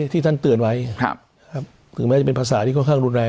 ที่ท่านเตือนไว้ถึงแม้จะเป็นภาษาที่ค่อนข้างรุนแรง